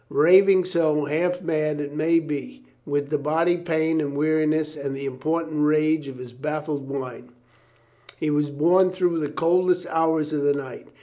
Raving so, half mad, it may be, with the body pain and weariness and the impotent rage of his baffled mind, he was borne through the coldest hours of the night.